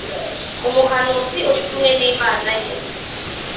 Umuhanuzi uri kumwe n’Imana ye,